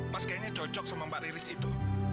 mas kayaknya cocok sama mbak riris itu